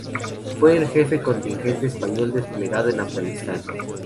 Fue el jefe contingente español desplegado en Afganistán.